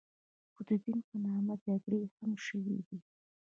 خو د دین په نامه جګړې هم شوې دي.